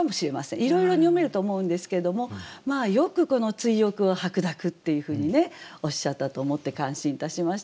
いろいろに読めると思うんですけれどもまあよくこの追憶を白濁っていうふうにねおっしゃったと思って感心いたしました。